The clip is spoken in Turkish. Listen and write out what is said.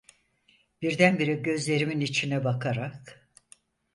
Birdenbire gözlerimin içine bakarak: